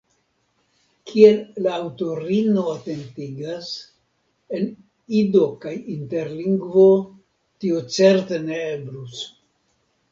Kiel la aŭtorino atentigas, en Ido kaj Interlingvo tio certe ne eblus.